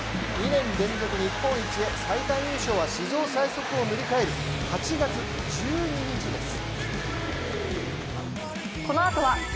２年連続日本一へ、最短優勝は史上最速を塗り替える８月１２日です。